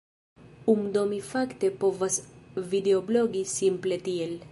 Um, do mi fakte povas videoblogi simple tiel.